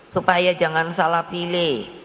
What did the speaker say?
supaya jangan salah pilih